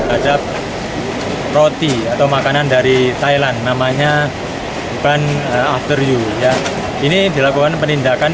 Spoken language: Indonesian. ada roti atau makanan dari thailand namanya ban after u ya ini dilakukan penindakan